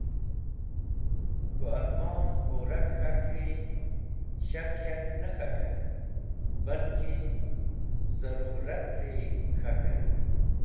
K̃hũ ẽrmon pũrak k̃hakri shak yark ne k̃hakẽr balki zẽrũratri k̃hakẽr.